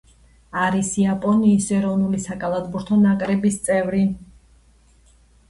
არის იაპონიის ეროვნული საკალათბურთო ნაკრების წევრი.